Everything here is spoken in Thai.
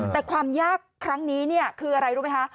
แต่ความยากครั้งนี้คืออะไรรู้ไหมคะ